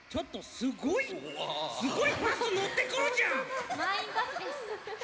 すごいのってくるじゃん。